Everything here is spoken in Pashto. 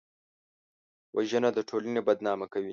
وژنه د ټولنې بدنامه کوي